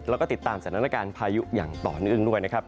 แล้วก็ติดตามสถานการณ์พายุอย่างต่อเนื่องด้วยนะครับ